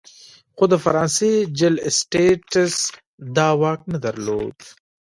خو د فرانسې جل اسټټس دا واک نه درلود.